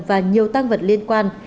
và nhiều tăng vật liên quan